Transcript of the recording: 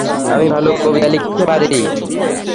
আমি ভালো কবিতা লিখতে পারি।